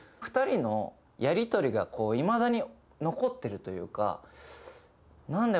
２人のやり取りがこういまだに残ってるというかな